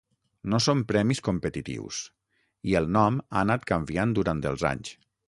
No són premis competitius, i el nom ha anat canviant durant els anys.